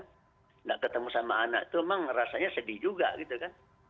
tidak ketemu sama anak itu memang rasanya sedih juga gitu kan